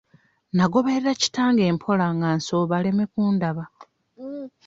Nagoberera kitange mpola nga nsooba aleme kundaba.